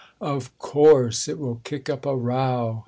"Of course it will kick up a row!"